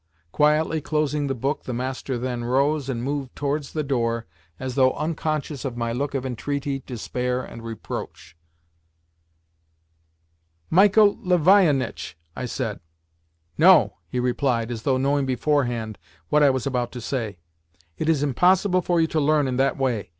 Quietly closing the book, the master then rose, and moved towards the door as though unconscious of my look of entreaty, despair, and reproach. "Michael Lavionitch!" I said. "No!" he replied, as though knowing beforehand what I was about to say. "It is impossible for you to learn in that way.